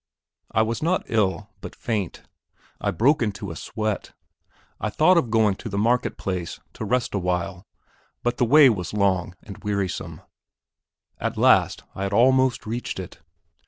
I was not ill, but faint; I broke into a sweat. I thought of going to the market place to rest a while, but the way was long and wearisome; at last I had almost reached it.